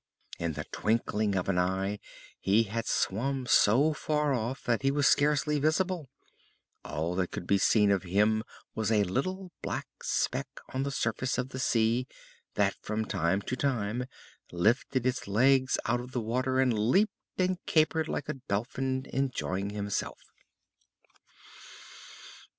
In the twinkling of an eye he had swum so far off that he was scarcely visible. All that could be seen of him was a little black speck on the surface of the sea that from time to time lifted its legs out of the water and leaped and capered like a dolphin enjoying himself.